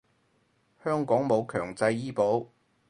香港冇強制醫保